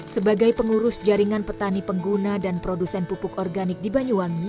sebagai pengurus jaringan petani pengguna dan produsen pupuk organik di banyuwangi